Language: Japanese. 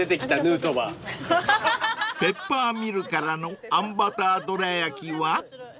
［ペッパーミルからのあんバターどら焼きは？］